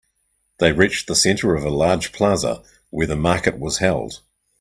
They reached the center of a large plaza where the market was held.